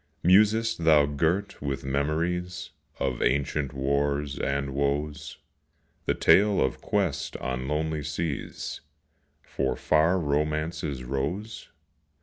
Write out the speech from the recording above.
Musest thou girt with memories Of ancient wars and woes The tale of quest on lonely seas For far Romance's rose?